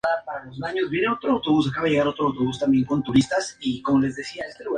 Se dice que el altavoz se ha quemado.